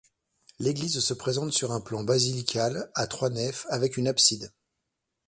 L'église se présente sur un plan basilical à trois nefs, avec une abside.